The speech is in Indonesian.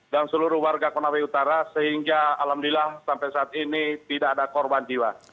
dan seluruh warga konawe utara sehingga alhamdulillah sampai saat ini tidak ada korban jiwa